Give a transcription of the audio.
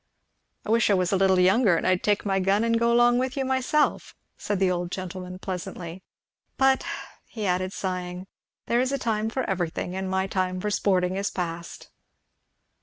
"I wish I was a little younger and I'd take my gun and go along with you myself," said the old gentleman pleasantly; "but," he added sighing, "there is a time for everything, and my time for sporting is past."